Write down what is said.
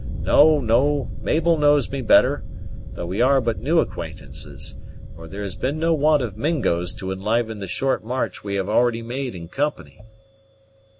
No, no; Mabel knows me better, though we are but new acquaintances, for there has been no want of Mingos to enliven the short march we have already made in company."